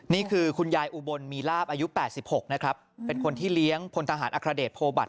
นี่คือคุณยายอุบลมีราบอยู่๘๖เป็นคนที่เลี้ยงพลฐาหาดอัครเดชโพบัตร